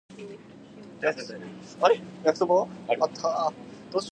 Today, the town is largely a bedroom community.